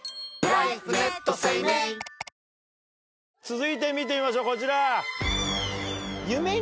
続いて見てみましょうこちら。